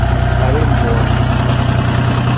Saw'emw'ona